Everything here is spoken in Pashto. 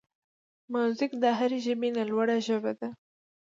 موزیک د هر ژبې نه لوړه ژبه ده.